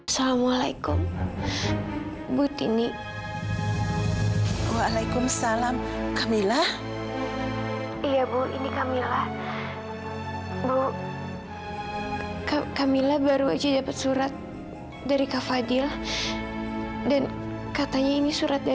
sampai jumpa di video selanjutnya